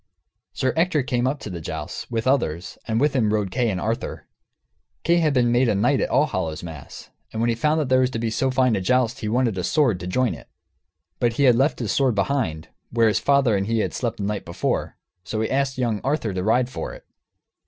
Sir Ector came up to the jousts, with others, and with him rode Kay and Arthur. Kay had been made a knight at Allhallowmas, and when he found there was to be so fine a joust he wanted a sword, to join it. But he had left his sword behind, where his father and he had slept the night before. So he asked young Arthur to ride for it.